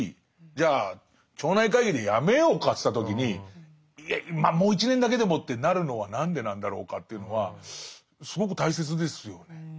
じゃあ町内会議でやめようかっていった時に「まあもう１年だけでも」ってなるのは何でなんだろうかというのはすごく大切ですよね。